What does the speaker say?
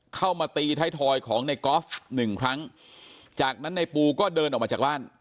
เข้ามาตีไทยทอยของในกอล์ฟหนึ่งครั้งจากนั้นในปูก็เดินออกมาจากบ้าน